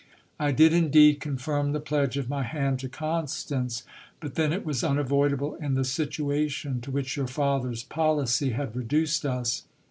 I did indeed confirm the pledge of my hand to Constance, but then it was unavoidable in the situation to which your father's policy had reduced us.